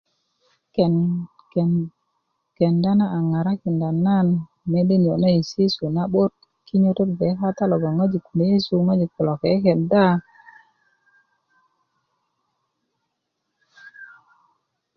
ken ken kenda na a ŋarakinda nan mede niyö na yesi yesu a na'but kinyö kata logon ŋojik kulo yesi yesu ŋojik kulo kekenda